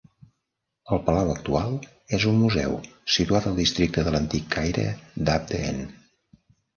El palau actual és un museu, situat al districte de l'Antic Caire d'Abdeen.